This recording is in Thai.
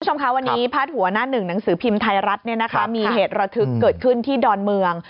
คุณผู้ชมคะวันนี้พาดหัวหน้าหนึ่งหนังสือพิมพ์ไทยรัฐเนี่ยนะคะมีเหตุระทึกเกิดขึ้นที่ดอนเมือง